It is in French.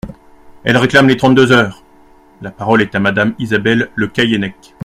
Elle réclame les trente-deux heures ! La parole est à Madame Isabelle Le Callennec.